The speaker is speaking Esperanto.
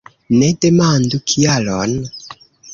Ne demandu kialon!